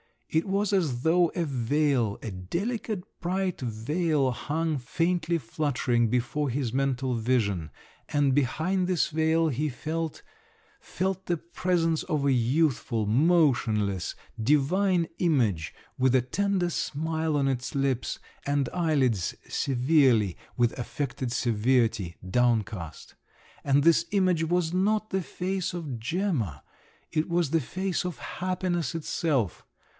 It was as though a veil, a delicate, bright veil, hung faintly fluttering before his mental vision; and behind this veil he felt … felt the presence of a youthful, motionless, divine image, with a tender smile on its lips, and eyelids severely—with affected severity—downcast. And this image was not the face of Gemma, it was the face of happiness itself!